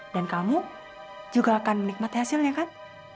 dan kamu juga akan menikmati hasilnya kan